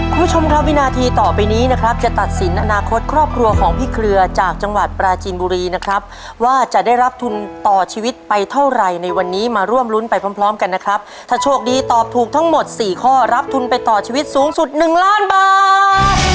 คุณผู้ชมครับวินาทีต่อไปนี้นะครับจะตัดสินอนาคตครอบครัวของพี่เครือจากจังหวัดปราจีนบุรีนะครับว่าจะได้รับทุนต่อชีวิตไปเท่าไรในวันนี้มาร่วมรุ้นไปพร้อมพร้อมกันนะครับถ้าโชคดีตอบถูกทั้งหมดสี่ข้อรับทุนไปต่อชีวิตสูงสุดหนึ่งล้านบาท